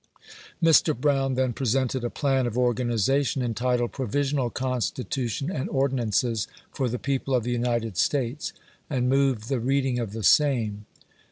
Mr. Brown then presented a plan of organization, entitled " Provisional Constitution and Ordinances for the People of the United States," and moved the reading of the same.